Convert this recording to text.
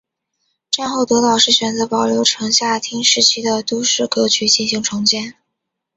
战后德岛市选择保留城下町时期的都市格局进行重建。